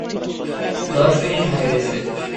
দশ মিনিট হয়ে গেছে।